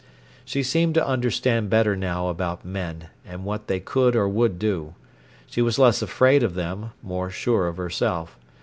She seemed to understand better now about men, and what they could or would do. She was less afraid of them, more sure of herself.